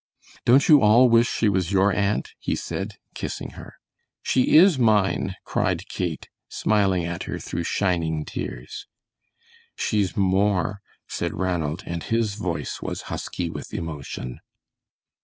"Don't you all wish she was your aunt?" he said, kissing her. "She IS mine," cried Kate, smiling at her through shining tears. "She's more," said Ranald, and his voice was husky with emotion.